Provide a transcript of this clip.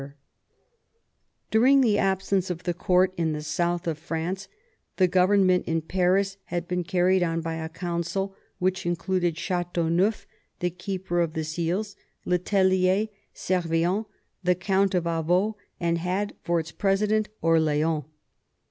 V THE EARLY YEARS OF THE NEW FRONDE 86 During the absence of the court in the south of France, the government in Paris had been carried on by a council which included Chateauneuf, the keeper of the seals, le Tellier, Servien, the Count of Avaux, and had for its president Orleans.